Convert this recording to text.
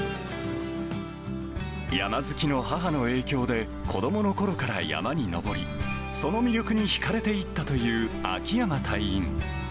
山好きの母の影響で、子どものころから山に登り、その魅力に引かれていったという秋山隊員。